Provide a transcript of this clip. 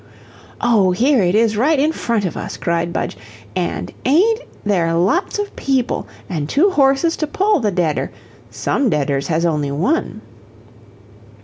"Oh, here it is right in front of us," cried Budge, "and AIN'T there lots of people? An' two horses to pull the deader SOME deaders has only one."